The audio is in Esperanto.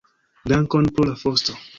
Dankon pro la fosto.